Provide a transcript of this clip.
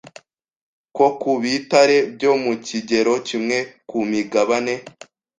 ko ku bitare byo mu kigero kimwe ku migabane